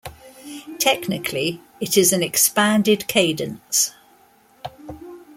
Technically, it is an expanded cadence.